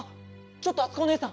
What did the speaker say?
ちょっとあつこおねえさん！